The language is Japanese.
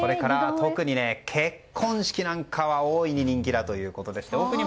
特に結婚式なんかは大いに人気だということです。